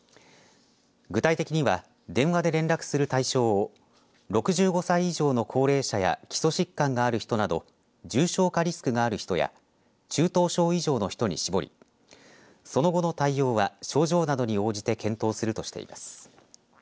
具体的には電話で連絡する対象を６５歳以上の高齢者や基礎疾患がある人など重症化リスクがある人や中等症以上の人に絞りその後の対応は症状などに応じて検討するとしています。